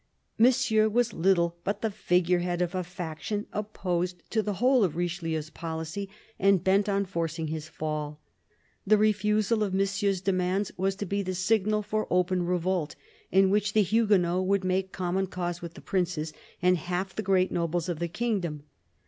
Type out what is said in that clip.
Monsieur was little but the figure head of a faction opposed to the whole of Richelieu's policy and bent on forcing his fall. The refusal of Monsieur's demands was to be the signal for open revolt, in which the Huguenots would make common cause with the princes and half the great nobles of the kingdom.